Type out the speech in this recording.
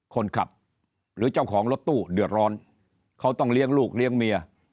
คนขับหรือเจ้าของรถตู้เดือดร้อนเขาต้องเลี้ยงลูกเลี้ยงเมีย